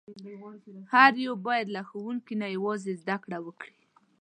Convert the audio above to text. هر یو باید له ښوونکي نه یوازې زده کړه وکړي.